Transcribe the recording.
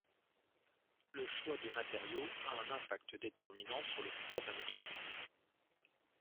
Le choix de matériaux a un impact déterminant sur le poids d'un équipement.